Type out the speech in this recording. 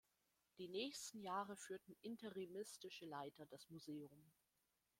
Die nächsten Jahre führten interimistische Leiter das Museum.